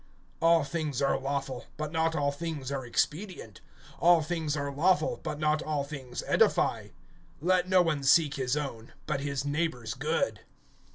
(23)All things are lawful, but not all things are expedient; all things are lawful, but not all things edify. (24)Let no one seek his own, but his neighbor's good.